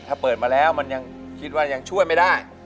ถ้าเปิดมาแล้วมันยังคิดว่ายังช่วยไม่ได้